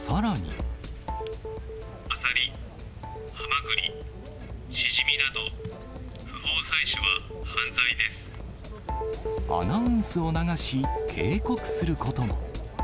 アサリ、ハマグリ、シジミなど、アナウンスを流し、警告することも。